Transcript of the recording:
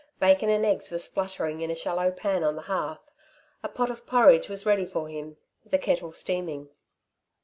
Bacon and eggs were spluttering in a shallow pan on the hearth, a pot of porridge was ready for him, the kettle steaming.